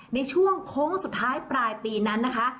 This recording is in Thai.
ในช่วงโค้งสุดท้ายปลายปีนั้นนะคะ